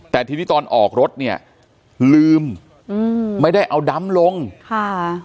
แต่ทีนี้ตอนออกรถเนี่ยลืมอืมไม่ได้เอาดำลงค่ะ